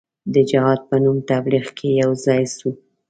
د جهاد په نوم تبلیغ کې یو ځای سو.